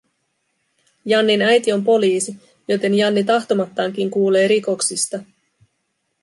Jannin äiti on poliisi, joten Janni tahtomattaankin kuulee rikoksista